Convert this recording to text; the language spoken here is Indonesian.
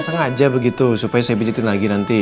sengaja begitu supaya saya bijitin lagi nanti